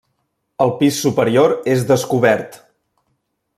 El pis superior és descobert.